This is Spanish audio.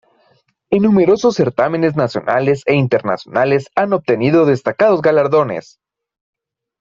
En numerosos certámenes nacionales e internacionales han obtenido destacados galardones.